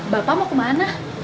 bapak mau kemana